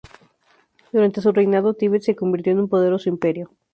Durante su reinado, Tíbet se convirtió en un poderoso imperio.